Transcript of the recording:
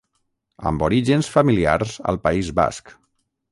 Amb orígens familiars al País Basc.